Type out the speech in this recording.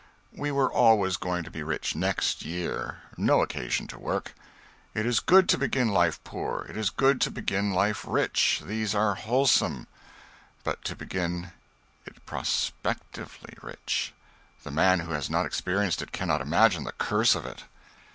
We were always going to be rich next year no occasion to work. It is good to begin life poor; it is good to begin life rich these are wholesome; but to begin it prospectively rich! The man who has not experienced it cannot imagine the curse of it.